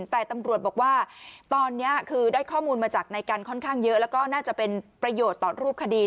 แต่ตำรวจบอกว่าตอนนี้คือได้ข้อมูลมาจากนายกันค่อนข้างเยอะแล้วก็น่าจะเป็นประโยชน์ต่อรูปคดี